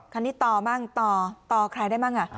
คันนี้ตบ้างตตใครได้บ้าง